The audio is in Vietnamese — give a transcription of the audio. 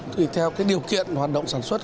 tùy theo điều kiện hoạt động sản xuất